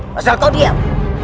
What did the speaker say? masa kau diam